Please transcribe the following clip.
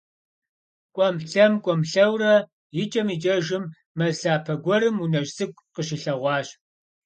КӀуэм-лъэм, кӀуэм-лъэурэ, икӀэм икӀэжым, мэз лъапэ гуэрым унэжь цӀыкӀу къыщилъэгъуащ.